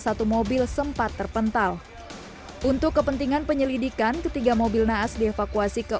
satu mobil sempat terpental untuk kepentingan penyelidikan ketiga mobil naas dievakuasi ke